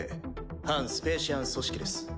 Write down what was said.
反スペーシアン組織です。